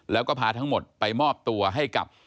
แล้วก็พาทั้งหมดไปมอบตัวให้กับ